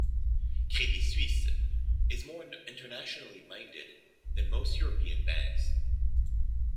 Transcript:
Credit Suisse is more internationally minded than most European banks.